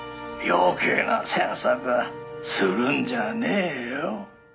余計な詮索はするんじゃねえよ」